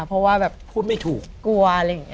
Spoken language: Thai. เพราะว่าแบบพูดไม่ถูกกลัวอะไรอย่างนี้